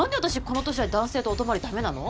この年で男性とお泊まりダメなの？